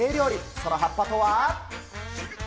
その葉っぱとは？